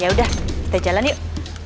yaudah kita jalan yuk